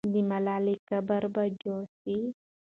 د ملالۍ قبر به جوړ سي.